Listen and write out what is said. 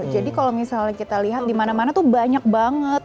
jadi kalau misalnya kita lihat di mana mana tuh banyak banget